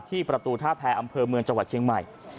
ประตูท่าแพรอำเภอเมืองจังหวัดเชียงใหม่